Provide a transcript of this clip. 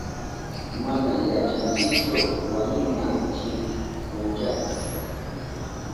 Mana yachanchichu wañunanchi punchata.